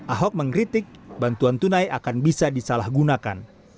ahok mengkritik bantuan tunai akan bisa disalahgunakan